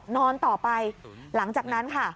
นอนต่อไปหลังจากนั้นค่ะ